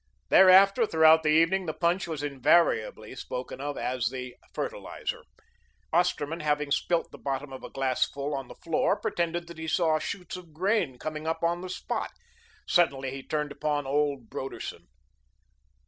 Thereafter throughout the evening the punch was invariably spoken of as the "Fertiliser." Osterman, having spilt the bottom of a glassful on the floor, pretended that he saw shoots of grain coming up on the spot. Suddenly he turned upon old Broderson.